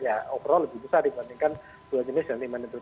ya overall lebih besar dibandingkan dua jenis dan lima menit